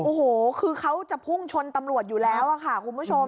โอ้โหคือเขาจะพุ่งชนตำรวจอยู่แล้วค่ะคุณผู้ชม